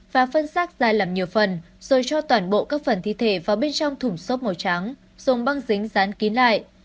và phân sát ra làm nhiều phần rồi cho toàn bộ các phần thi thể vào bên trong thủng xốp màu trắng dùng băng dính dán kín lại